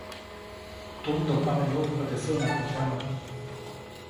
Tumdumʼame nuʼkpa teʼ säŋʼajkujyama.